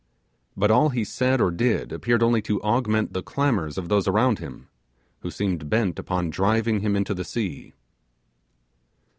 But all he said or did appeared only to augment the clamours of those around him, who seemed bent upon driving him into the sea.